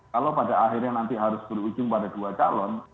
kalau pada akhirnya nanti harus berujung pada dua calon